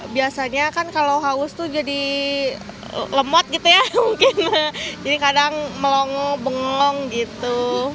biasanya kan kalau haus tuh jadi lemot gitu ya mungkin jadi kadang melongo bengong gitu